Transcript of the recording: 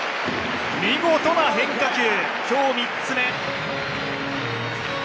見事な変化球、今日３つ目。